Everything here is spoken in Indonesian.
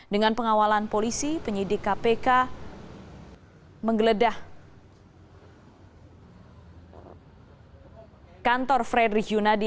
dengan pengawalan polisi penyidik kpk menggeledah kantor frederick yunadi